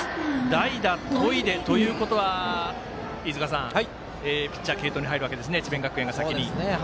代打、砥出ということはピッチャー、継投に入るということですね智弁学園が先に。